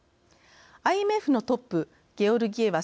ＩＭＦのトップゲオルギエワ